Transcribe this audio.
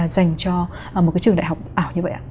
dành cho một cái trường đại học ảo như vậy ạ